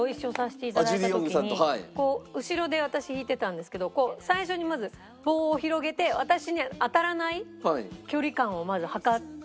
私も後ろで私弾いてたんですけど最初にまず棒を広げて私に当たらない距離感をまず測って立つみたいな。